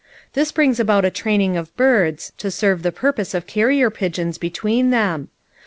This brings about a training of birds, to serve the purpose of carrier pigeons between them.